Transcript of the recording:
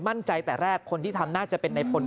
ตั้งแต่แรกคนที่ทำน่าจะเป็นในพล